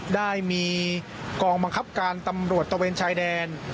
ได้มีกองบังคับการตำรวจตะเวนชายแดน